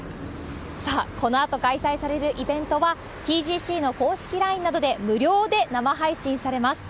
さあ、このあと開催されるイベントは、ＴＧＣの公式ＬＩＮＥなどで無料で生配信されます。